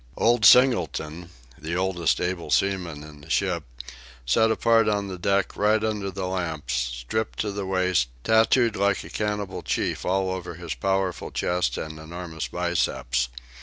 Old Singleton, the oldest able seaman in the ship, sat apart on the deck right under the lamps, stripped to the waist, tattooed like a cannibal chief all over his powerful chest and enormous biceps.